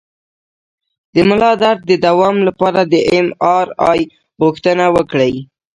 د ملا درد د دوام لپاره د ایم آر آی غوښتنه وکړئ